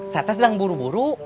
saya tes dan buru buru